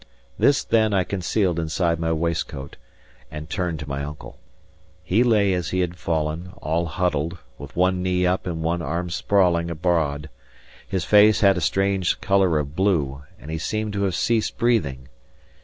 This, then, I concealed inside my waistcoat, and turned to my uncle. He lay as he had fallen, all huddled, with one knee up and one arm sprawling abroad; his face had a strange colour of blue, and he seemed to have ceased breathing.